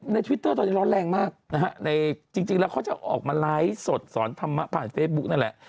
ทวิตเตอร์ตอนนี้ร้อนแรงมากนะฮะในจริงแล้วเขาจะออกมาไลฟ์สดสอนธรรมะผ่านเฟซบุ๊กนั่นแหละ